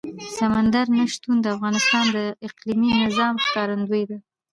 سمندر نه شتون د افغانستان د اقلیمي نظام ښکارندوی ده.